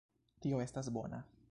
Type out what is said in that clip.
Tio estas bona.